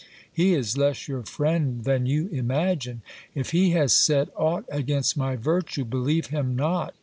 He is less your friend than you imagine. If he has said aught against my virtue, believe him not.